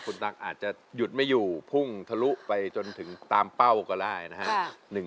คุณตั๊กอาจจะหยุดไม่อยู่พุ่งทะลุไปจนถึงตามเป้าก็ได้นะฮะ